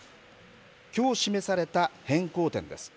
きょう示された変更点です。